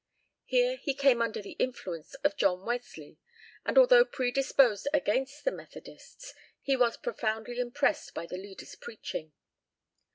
Here he came under the influence of John Wesley, and although predisposed against the Methodists, he was profoundly impressed by their leader's preaching.